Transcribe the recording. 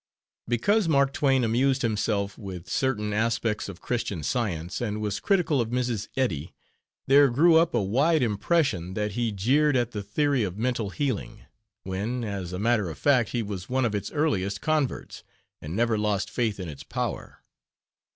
Because Mark Twain amused himself with certain aspects of Christian Science, and was critical of Mrs. Eddy, there grew up a wide impression that he jeered at the theory of mental healing; when, as a matter of fact, he was one of its earliest converts, and never lost faith in its power.